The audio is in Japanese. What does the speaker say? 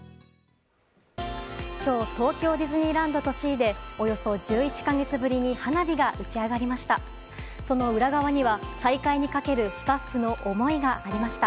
今日東京ディズニーランドとシーでおよそ１１か月ぶりに花火が打ち上がりました。